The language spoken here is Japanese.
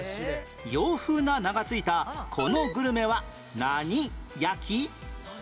洋風な名が付いたこのグルメは何焼？